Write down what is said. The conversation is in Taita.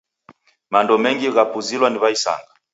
Mando mengi ghapuzilwa ni w'aisanga.